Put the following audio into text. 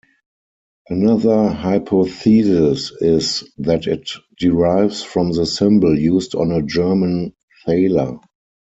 Another hypothesis is that it derives from the symbol used on a German Thaler.